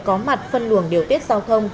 có mặt phân luồng điều tiết giao thông